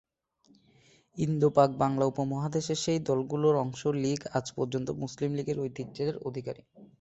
ইন্দো-পাক-বাংলা উপমহাদেশে সেই দলগুলোর অংশ "লীগ" আজ পর্যন্ত মুসলিম লীগের ঐতিহ্যের অধিকারী।